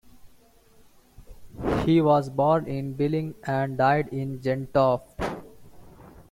He was born in Bellinge and died in Gentofte.